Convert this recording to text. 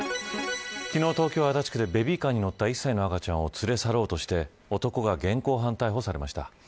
昨日、東京、足立区でベビーカーに乗った１歳の赤ちゃんを連れ去ろうとして男が現行犯逮捕されました。